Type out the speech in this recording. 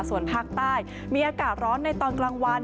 ส่วนภาคใต้มีอากาศร้อนในตอนกลางวัน